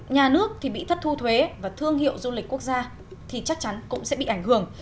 nhà nước bị thất thu thuế và thương hiệu du lịch quốc gia cũng sẽ bị ảnh hưởng